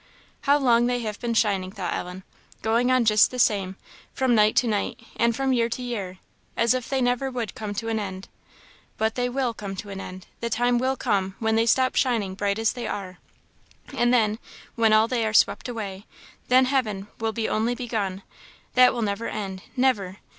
How long they have been shining! thought Ellen; going on just the same, from night to night, and from year to year as if they never would come to an end. But they will come to an end the time will come when they stop shining, bright as they are; and then, when all they are swept away, then heaven will be only begun; that will never end! never!